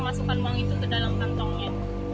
masukkan uang itu ke dalam kantongnya